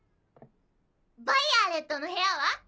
バイアレットの部屋は？